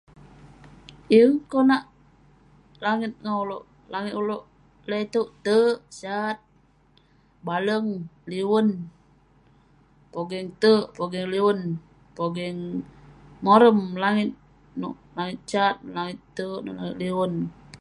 Yeng konak langit ngan ulouk. Langit ulouk lak itouk terk, sat, baleng, liwen. Pogeng terk, pogeng liwen. Pogeng morem langit nouk langit sat, nouk langit terk, nouk langit liwen.